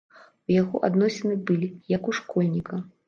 У яго адносіны былі, як у школьніка.